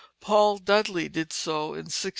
Paul Dudley did so in 1686.